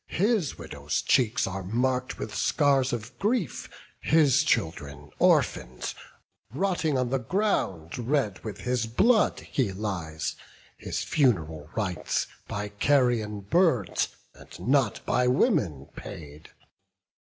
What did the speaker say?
His widow's cheeks are mark'd with scars of grief, His children orphans; rotting on the ground, Red with his blood, he lies, his fun'ral rites By carrion birds, and not by women paid."